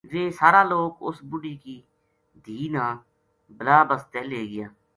ویہ سارا لوک اس بڈھی کی دھی نا بلا بسطے لے گیا